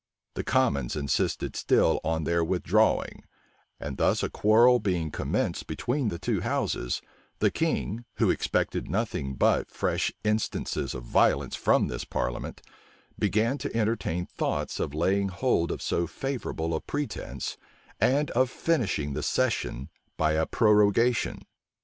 The commons insisted still on their withdrawing; and thus a quarrel being commenced between the two houses, the king, who expected nothing but fresh instances of violence from this parliament, began to entertain thoughts of laying hold of so favorable a pretence, and of finishing the session by a prorogation.